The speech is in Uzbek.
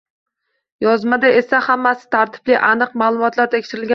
Yozmada esa hammasi tartibli, aniq, ma’lumotlar tekshirilgan bo‘ladi.